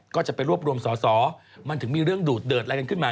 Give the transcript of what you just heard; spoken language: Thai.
ก็จะไปรวบรวมสอสอมันถึงมีเรื่องดูดเดิดอะไรกันขึ้นมา